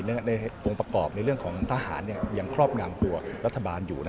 ในองค์ประกอบในเรื่องของทหารยังครอบงามตัวรัฐบาลอยู่